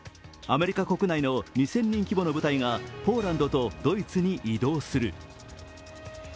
アメリカ国内の２０００人規模の部隊がポーランドとドイツに移動する。